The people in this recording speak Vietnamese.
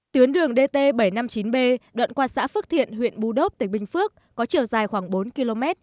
tuyến đường dt bảy trăm năm mươi chín b đoạn qua xã phước thiện huyện bù đốc tỉnh bình phước có chiều dài khoảng bốn km